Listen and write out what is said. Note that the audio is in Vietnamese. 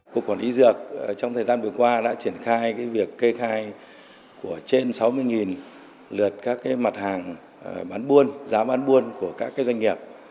cục quản lý dược trong thời gian vừa qua đã triển khai việc kê khai của trên sáu mươi lượt các mặt hàng bán buôn giá bán buôn của các doanh nghiệp